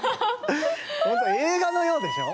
本当映画のようでしょ？